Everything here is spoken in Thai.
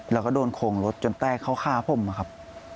แล้วก็โดนโขงรถจนแต้เขาฆ่าผมครับ